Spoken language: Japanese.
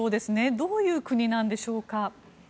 どういう国なんでしょうか。